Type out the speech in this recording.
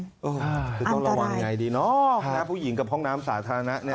อันตรายต้องระวังอย่างไรดีเนอะแหละผู้หญิงกับห้องน้ำสาธารณะนี่